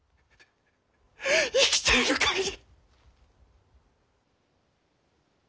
生きている限り。